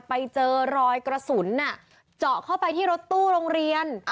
ไปเจอรอยกระสุนเจาะเข้าไปที่รถตู้โรงเรียน